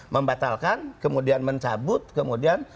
membatalkan kemudian mencabut kemudian